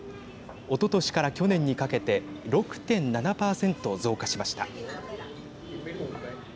おととしから去年にかけて６．７％増加しました。